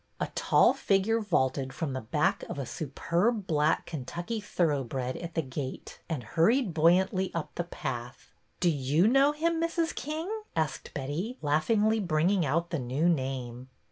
A tall figure vaulted from the back of a superb black Kentucky thoroughbred at the gate, and hurried buoyantly up the path. '' Do you know him, Mrs. King? " asked Betty, laughingly bringing out the new name.